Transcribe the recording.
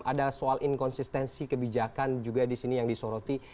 ada soal inkonsistensi kebijakan juga di sini yang disoroti